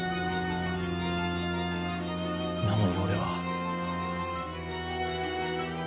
なのに俺は。